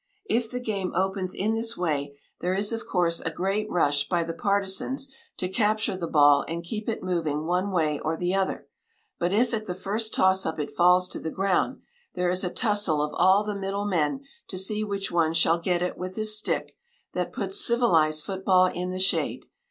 If the game opens in this way, there is, of course, a great rush by the partisans to capture the ball and keep it moving one way or the other; but if at the first toss up it falls to the ground, there is a tussle of all the middle men to see which one shall get it with his stick that puts civilized football in the shade.